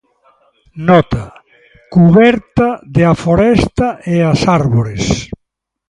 Nota: cuberta de "A foresta e as árbores".